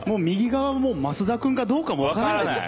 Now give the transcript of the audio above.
右側もう増田君かどうかも分からない。